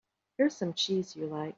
Here's some cheese you like.